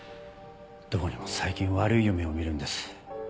どうにも最近悪い夢を見るんです。